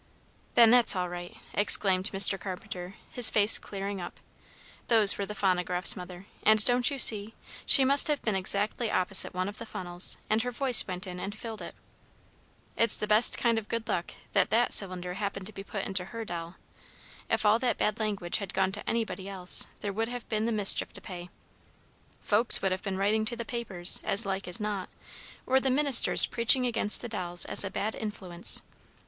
"Then that's all right!" exclaimed Mr. Carpenter, his face clearing up. "Those were the phonographs, Mother, and, don't you see, she must have been exactly opposite one of the funnels, and her voice went in and filled it. It's the best kind of good luck that that cylinder happened to be put into her doll. If all that bad language had gone to anybody else, there would have been the mischief to pay. Folks would have been writing to the papers, as like as not, or the ministers preaching against the dolls as a bad influence.